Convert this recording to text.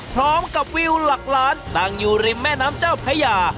พร้อมกับวิวหลักหลานตั้งอยู่ริมแม่น้ำเจ้าพระยา